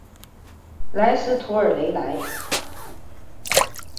莱斯图尔雷莱。